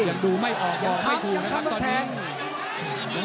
ยังดูไม่ออกบอกไม่ถูกนะครับตอนนี้